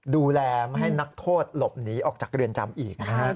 ดูแลไม่ให้นักโทษหลบหนีออกจากเรือนจำอีกนะฮะ